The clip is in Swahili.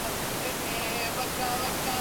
Upepo ulipunguza joto jingi